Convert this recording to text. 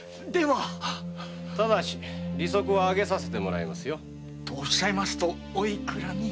ただし利息は上げさせてもらいますよ。とおっしゃいますとお幾らに？